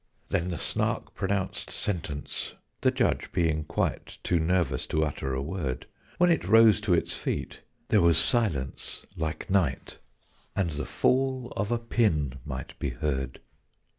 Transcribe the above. Then the Snark pronounced sentence, the Judge being quite Too nervous to utter a word: When it rose to its feet, there was silence like night, And the fall of a pin might be heard.